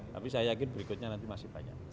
tapi saya yakin berikutnya nanti masih banyak